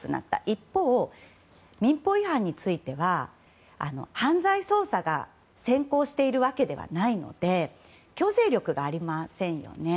一方、民法違反については犯罪捜査が先行しているわけではないので強制力がありませんよね。